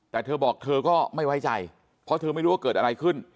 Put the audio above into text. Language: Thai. แต่เธอบอกเธอก็ไม่ไว้ใจเพราะเธอไม่รู้ว่าเกิดอะไรขึ้น